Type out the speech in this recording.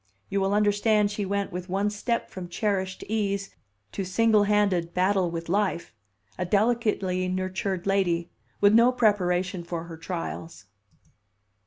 You will understand she went with one step from cherished ease to single handed battle with life, a delicately nurtured lady, with no preparation for her trials."